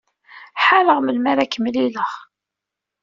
Ḥareɣ melmi ara k-mlileɣ.